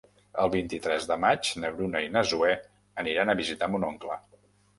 El vint-i-tres de maig na Bruna i na Zoè aniran a visitar mon oncle.